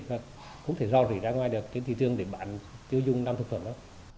và cũng thể rò rỉ ra ngoài được cái thị trường để bản tiêu dùng năm thực phẩm đó